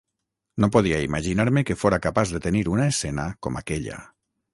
No podia imaginar-me que fóra capaç de tenir una escena com aquella.